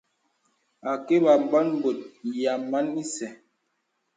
Ākibà mbɔ̀ŋ bòt yàmaŋ ìsɛ̂.